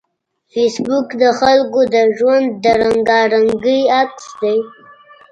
فېسبوک د خلکو د ژوند د رنګارنګۍ عکس دی